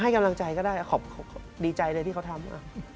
กำลังใจก็ได้ดีใจเลยที่เขาทำ